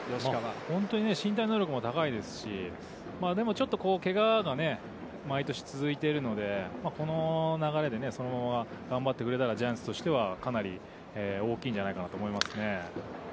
本当に身体能力も高いですし、でもちょっとけががね、毎年続いているので、この流れでそのまま頑張ってくれたらジャイアンツとしてはかなり大きいんじゃないかなと思いますね。